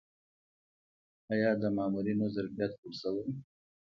آیا د مامورینو ظرفیت لوړ شوی؟